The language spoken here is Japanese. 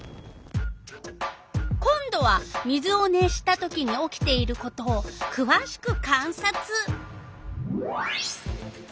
今度は水を熱したときに起きていることをくわしく観察。